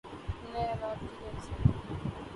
نئے آلات کی تنصیب